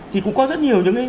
thì cũng có rất nhiều những cái